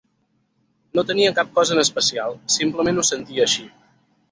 No tenia cap cosa en especial, simplement ho sentia així.